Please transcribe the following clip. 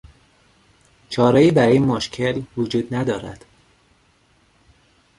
چارهای براین مشکل وجود ندارد.